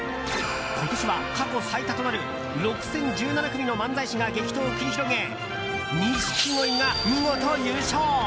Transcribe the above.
今年は過去最多となる６０１７組の漫才師が激闘を繰り広げ錦鯉が見事優勝！